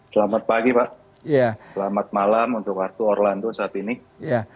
selamat pagi pak selamat malam untuk waktu orlando saat ini